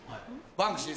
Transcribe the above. バンクシー。